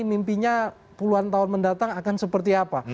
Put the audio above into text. mimpinya puluhan tahun mendatang akan seperti apa